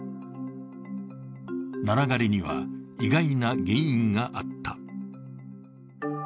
ナラ枯れには、意外な原因があった。